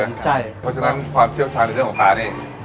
เพราะฉะนั้นความเชี่ยวชาญในเรื่องของปลานี่